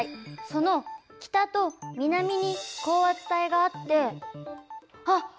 その北と南に高圧帯があってあっ